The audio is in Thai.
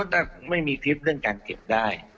ถ้าคงไม่มีทริปเรื่องการเก็บได้